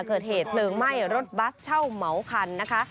เกิดเหตุเพลิงไหม้รถบัสเช่าเหมาคันนะคะ